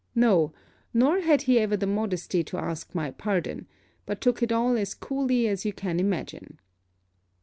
No, nor had he ever the modesty to ask my pardon; but took it all as coolly as you can imagine.